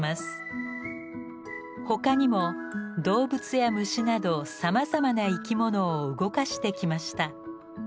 他にも動物や虫などさまざまな生きものを動かしてきました。